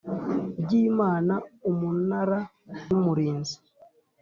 ry Imana Umunara w Umurinzi